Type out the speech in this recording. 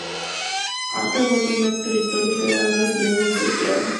Acre fue el primer territorio federal brasileño en ser creado.